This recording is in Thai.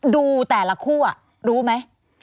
ดูแต่ละคู่รู้ไหม